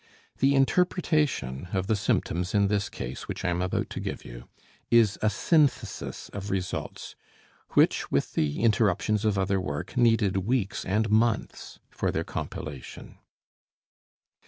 The interpretation of the symptoms in this case, which I am about to give you, is a synthesis of results, which, with the interruptions of other work, needed weeks and months for their compilation.